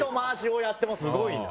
すごいな。